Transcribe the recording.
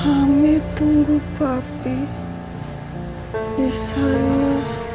amit tunggu papi di sana